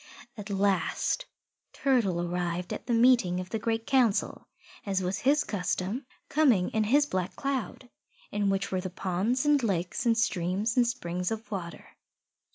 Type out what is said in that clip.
At last Turtle arrived at the meeting of the Great Council, as was his custom, coming in his Black Cloud, in which were the ponds and lakes and streams and springs of water.